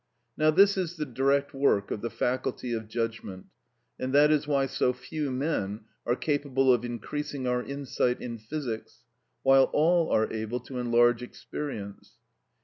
Now this is the direct work of the faculty of judgment, and that is why so few men are capable of increasing our insight in physics, while all are able to enlarge experience.